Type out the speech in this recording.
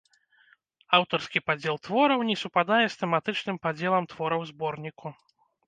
Аўтарскі падзел твораў не супадае з тэматычным падзелам твораў зборніку.